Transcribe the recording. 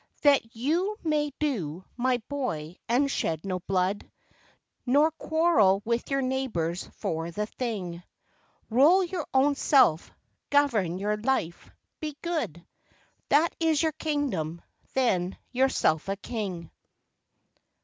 That you may do, my boy, and shed no blood, Nor quarrel with your neighbours for the thing. Rule your own self, govern your life, be good 5 That is your kingdom, then yourself a King.